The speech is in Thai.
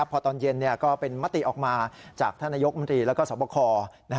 พอตอนเย็นก็เป็นมติออกมาจากท่านนายกมนตรีแล้วก็สวบค